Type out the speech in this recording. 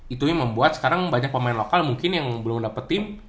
itu yang membuat sekarang banyak pemain lokal mungkin yang belum dapat tim